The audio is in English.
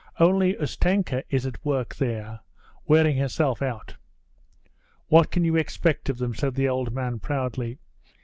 'Only Ustenka is at work there, wearing herself out.' 'What can you expect of them?' said the old man proudly.